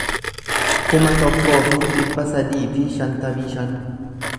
kuma tokkoo fi dhibba sadii fi shantamii shan